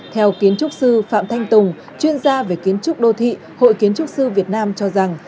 theo kiến trúc sư phạm thanh tùng chuyên gia về kiến trúc đô thị hội kiến trúc sư việt nam cho rằng